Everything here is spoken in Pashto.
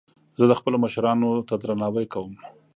زه خپلو مشرانو ته درناوی کوم